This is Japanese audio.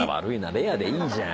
レアでいいじゃん。